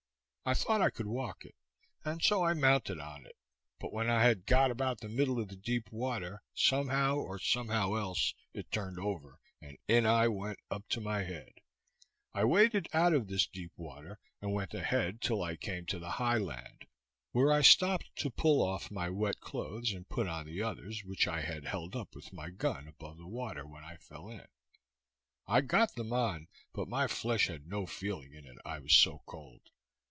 I thought I could walk it, and so I mounted on it; but when I had got about the middle of the deep water, somehow or somehow else, it turned over, and in I went up to my head I waded out of this deep water, and went ahead till I came to the high land, where I stop'd to pull off my wet clothes, and put on the others, which I had held up with my gun, above the water, when I fell in. I got them on, but my flesh had no feeling in it, I was so cold.